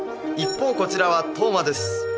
一方こちらは登眞です